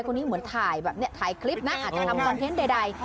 เหมือนถ่ายแบบนี้ถ่ายคลิปนะอาจจะทำคอนเทนต์ใด